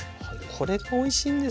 これがおいしいんですよ。